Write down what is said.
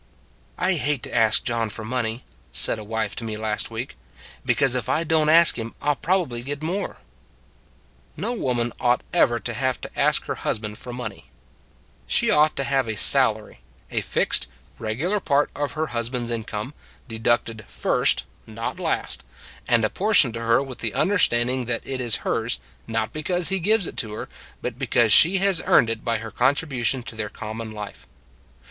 " I hate to ask John for money," said a wife to me last week, " because if I don t ask him I 11 probably get more." No woman ought ever to have to ask her husband for money. Unhappy Husbands and Wives 143 She ought to have a salary a fixed, regular part of her husband s income, de ducted first, not last; and apportioned to her with the understanding that it is hers, not because he gives it to her, but because she has earned it by her contribution to their common life.